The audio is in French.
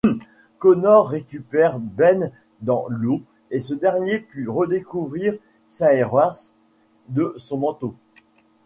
Conor récupère Ben dans l'eau et ce dernier peut recouvrir Saoirse de son manteau.